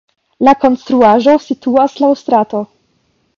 La konstruaĵo situas laŭ strato.